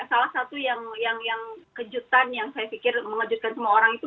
salah satu yang kejutan yang saya pikir mengejutkan semua orang itu